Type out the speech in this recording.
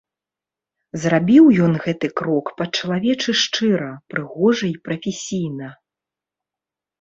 Зрабіў ён гэты крок па-чалавечы шчыра, прыгожа і прафесійна.